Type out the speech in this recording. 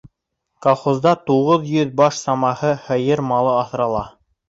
Колхозда туғыҙ йөҙ баш самаһы һыйыр малы аҫрала.